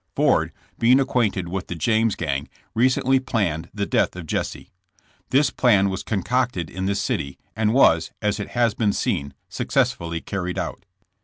Ford, being acquainted with the James gang, recently planned the death of Jesse. This plan was concocted in this city, and was, as it has been seen, successfully carried out.